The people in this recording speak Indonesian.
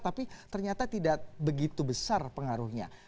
tapi ternyata tidak begitu besar pengaruhnya